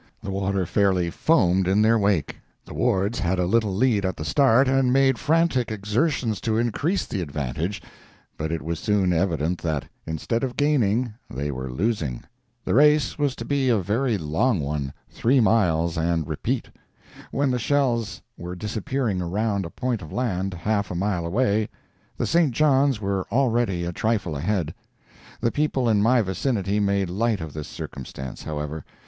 The water fairly foamed in their wake. The Wards had a little lead at the start, and made frantic exertions to increase the advantage but it was soon evident that, instead of gaining, they were losing. The race was to be a very long one—three miles and repeat. When the shells were disappearing around a point of land, half a mile away, the St. John's were already a trifle ahead. The people in my vicinity made light of this circumstance, however.